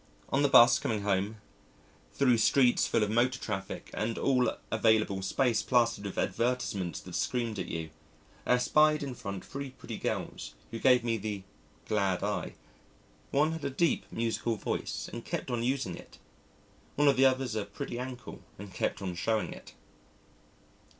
On the 'bus, coming home, thro' streets full of motor traffic and all available space plastered with advertisements that screamed at you, I espied in front three pretty girls, who gave me the "Glad Eye." One had a deep, musical voice, and kept on using it, one of the others a pretty ankle and kept on showing it.